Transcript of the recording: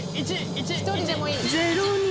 １人でもいい。